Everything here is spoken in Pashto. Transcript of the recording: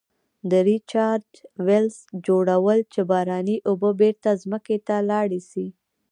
د Recharge wells جوړول چې باراني اوبه بیرته ځمکې ته لاړې شي.